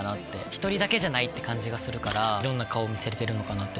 １人じゃない感じがするからいろんな顔を見せれてるかな。